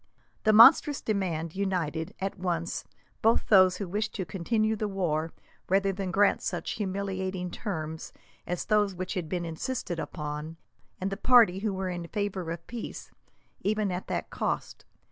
This monstrous demand united, at once, both those who wished to continue the war rather than grant such humiliating terms as those which had been insisted upon, and the party who were in favour of peace, even at that cost.